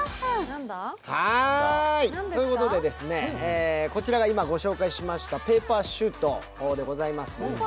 はーい、こちらが今ご紹介しましたペーパーシュートでございます。